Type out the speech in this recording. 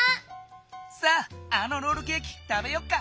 さああのロールケーキ食べよっか。